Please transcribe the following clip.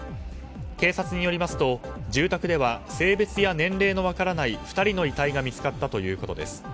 警察によりますと住宅では性別や年齢の分からない２人の遺体が見つかったということです。